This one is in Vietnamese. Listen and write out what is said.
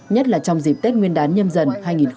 nhất là trong dịp tết nguyên đán nhâm dần hai nghìn hai mươi bốn